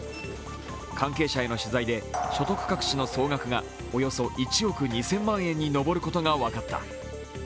関係者への取材で所得隠しの総額がおよそ１億２０００万円に上ることが分かった。